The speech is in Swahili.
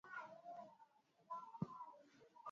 Waislamu liliamua kuwa na sharia kama sheria ya kijimbo na